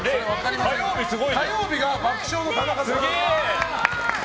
火曜日が爆笑の田中さん。